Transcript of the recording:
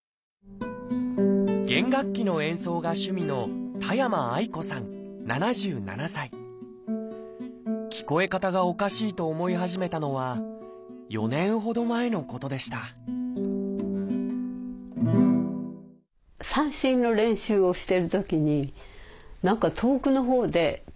弦楽器の演奏が趣味の聞こえ方がおかしいと思い始めたのは４年ほど前のことでしたああ